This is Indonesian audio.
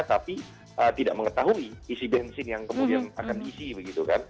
tapi tidak mengetahui isi bensin yang kemudian akan diisi begitu kan